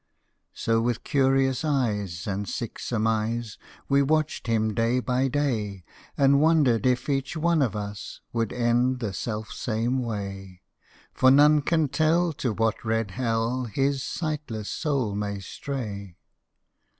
So with curious eyes and sick surmise We watched him day by day, And wondered if each one of us Would end the self same way, For none can tell to what red Hell His sightless soul may stray.